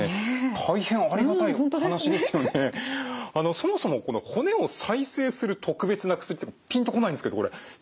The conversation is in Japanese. あのそもそもこの骨を再生する特別な薬ってピンとこないんですけどこれどういったものなんですか？